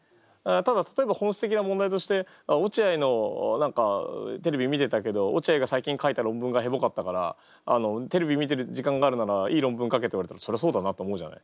ただ例えば本質的な問題として「落合の何かテレビ見てたけど落合が最近書いた論文がヘボかったからテレビ見てる時間があるならいい論文書け」って言われたらそりゃそうだなと思うじゃない。